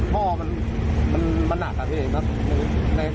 ท่อมันหนักครับ